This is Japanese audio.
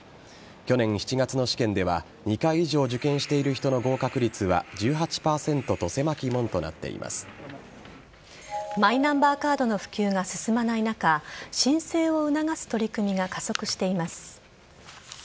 去年７月の試験では２回以上受験している人の合格率はマイナンバーカードの普及が進まない中申請を促す取り組みが加速しています。